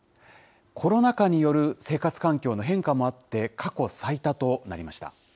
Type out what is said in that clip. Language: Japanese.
コロナ禍による生活環境の変化もあって、過去最多となりました。